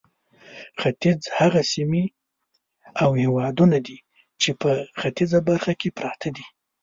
ختیځ هغه سیمې او هېوادونه دي چې په ختیځه برخه کې پراته دي.